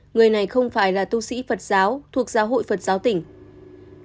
người này không phải là tu sĩ phật giáo thuộc giáo hội phật giáo tỉnh